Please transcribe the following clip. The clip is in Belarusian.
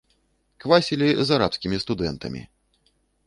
Квасілі з арабскімі студэнтамі.